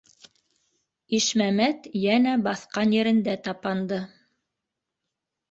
Ишмәмәт йәнә баҫҡан ерендә тапанды: